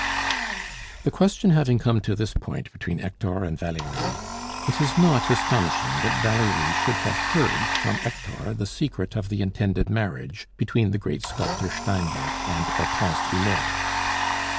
The question having come to this point between Hector and Valerie, it is not astonishing that Valerie should have heard from Hector the secret of the intended marriage between the great sculptor Steinbock and Hortense Hulot.